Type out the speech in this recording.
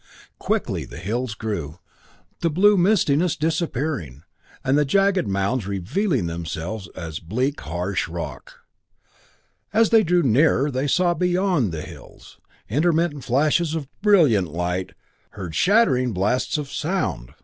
Quickly the hills grew, the blue mistiness disappearing, and the jagged mounds revealing themselves as bleak harsh rock. As they drew nearer they saw beyond the hills, intermittent flashes of brilliant light, heard shattering blasts of sound.